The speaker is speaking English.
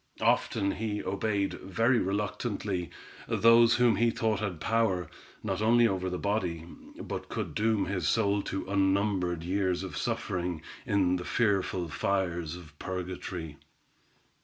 Often he obeyed very reluctantly, those whom he thought had power, not only over the body, but could doom his soul to unnumbered years of suffering, in the fearful fires of purgatory.